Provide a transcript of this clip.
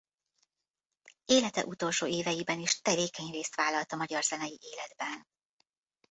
Élete utolsó éveiben is tevékeny részt vállalt a magyar zenei életben.